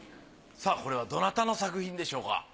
さぁこれはどなたの作品でしょうか？